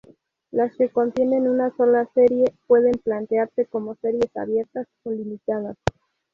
Las que contienen una sola serie, pueden plantearse como series abiertas o limitadas.